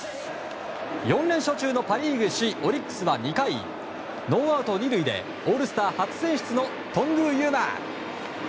４連勝中のパ・リーグ首位オリックスは２回ノーアウト２塁でオールスター初選出の頓宮裕真。